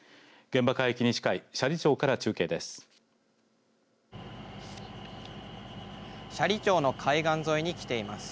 現場海域に近い斜里町から中継です。